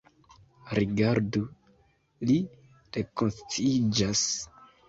Rigardu: li rekonsciiĝas.